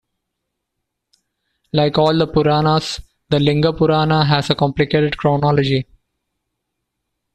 Like all the Puranas, the "Linga Purana" has a complicated chronology.